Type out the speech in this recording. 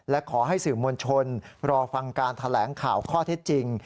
และขอให้สื่อมวลชนรอฟังการแถลงข่าวข้อเท็จจริง